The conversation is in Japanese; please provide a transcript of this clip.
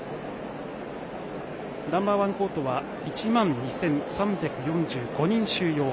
ナンバー１コートは１万２３４５人収容。